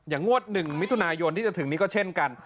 งวด๑มิถุนายนที่จะถึงนี้ก็เช่นกัน